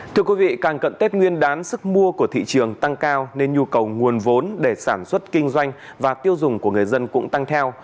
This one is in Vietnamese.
thưa quý vị càng cận tết nguyên đán sức mua của thị trường tăng cao nên nhu cầu nguồn vốn để sản xuất kinh doanh và tiêu dùng của người dân cũng tăng theo